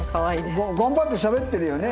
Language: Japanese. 頑張ってしゃべってるよね